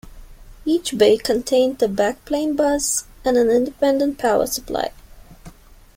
Each bay contained a backplane bus and an independent power supply.